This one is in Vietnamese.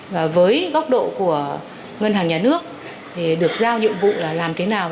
với góc độ của ngân hàng nhà nước được giao nhiệm vụ là làm thế nào